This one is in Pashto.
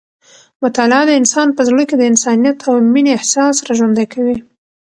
مطالعه د انسان په زړه کې د انسانیت او مینې احساس راژوندی کوي.